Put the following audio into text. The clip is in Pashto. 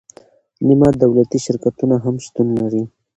نیمه دولتي شرکتونه هم شتون لري.